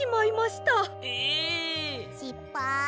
しっぱい。